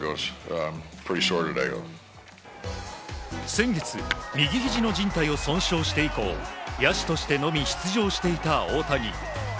先月、右ひじのじん帯を損傷して以降野手としてのみ出場していた大谷。